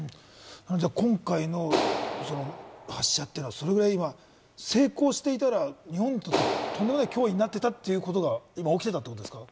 今回の発射は成功していたら、日本にとってとんでもない脅威になっていたということが起きていたということですか？